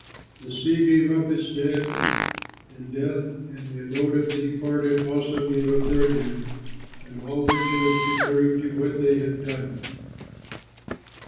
The sea gave up its dead, and Death and the Abode of the Departed also gave up their dead, and all were judged according to what they had done.